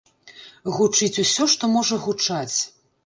Гучыць усё, што можа гучаць.